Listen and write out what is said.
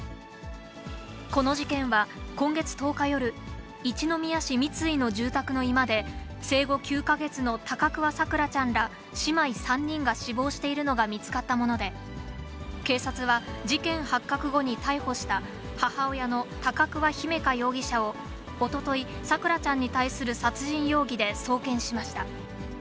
この事件は、今月１０日夜、一宮市三ツ井の住宅の居間で、生後９か月の高桑咲桜ちゃんら姉妹３人が死亡しているのが見つかったもので、警察は事件発覚後に逮捕した母親の高桑姫華容疑者をおととい、咲桜ちゃんに対する殺人容疑で送検しました。